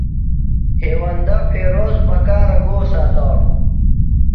ہیوندہ فیروز بکارہ گو ساتانوۡ؟